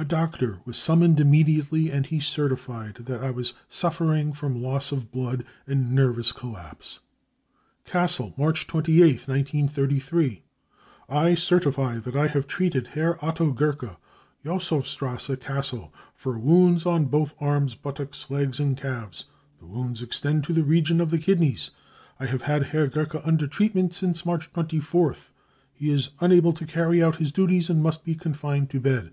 A doctor was summoned immediately, and he certified that I was suffering from loss of blood and nervous collapse." £< Cassel , March 28 , 1933. I certify that I have treated Herr Otto Gerke, Yussow strasse, Gassel, for wounds on both arms, buttocks, legs and calves. The wounds extend to the region of the kidneys. I have had Herr Gerke under treatment since March 24th. He is unable to carry out his duties and must be confined to bed."